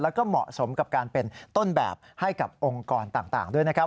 แล้วก็เหมาะสมกับการเป็นต้นแบบให้กับองค์กรต่างด้วยนะครับ